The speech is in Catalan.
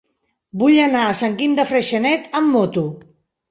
Vull anar a Sant Guim de Freixenet amb moto.